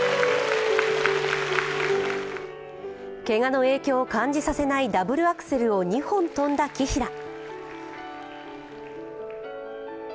けがの影響を感じさせないダブルアクセルを２本跳んだ紀平。